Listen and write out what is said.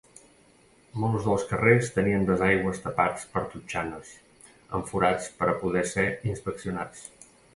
Molts dels carrers tenien desaigües tapats amb totxanes, amb forats per a poder ser inspeccionats.